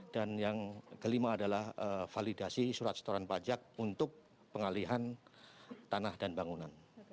dan yang kelima adalah validasi surat setoran pajak untuk pengalihan tanah dan bangunan